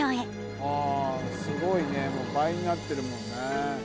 あすごいねもう倍になってるもんね。